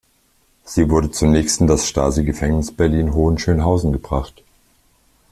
Sie wurde zunächst in das Stasi-Gefängnis Berlin-Hohenschönhausen gebracht.